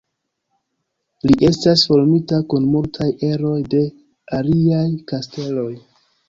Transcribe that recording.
Li estas formita kun multaj eroj de aliaj kasteloj.